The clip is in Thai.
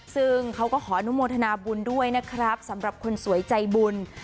ซึ่งเขาก็ขออนุโมทนาบุญด้วยนะครับสำหรับคนสวยใจบุญ